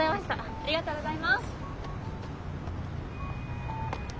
ありがとうございます。